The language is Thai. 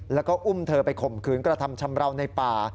แล้วก็อุ้มเธอไปข่มขืนกระทำชำราวในป่า